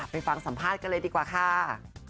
ไปฟังสัมภาษณ์กันเลยดีกว่าค่ะ